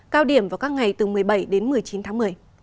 cao điểm vào các ngày từ một mươi bảy đến một mươi chín tháng một mươi